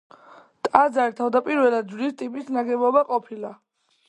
ტაძარი თავდაპირველად ჯვრის ტიპის ნაგებობა ყოფილა.